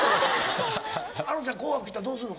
ａｎｏちゃん「紅白」きたらどうするの？